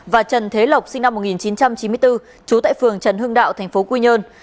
và trần thế lộc sinh năm một nghìn chín trăm chín mươi bốn chú tại phường trần hương đạo tp quy nhơn